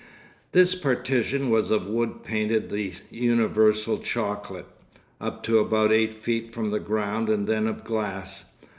This partition was of wood painted the universal chocolate, up to about eight feet from the ground, and then of glass.